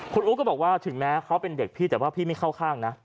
คุณอู๋ก็บอกว่าถึงแม้เขาเป็นเด็กพี่แต่ว่าพี่ไม่เข้าข้างนะ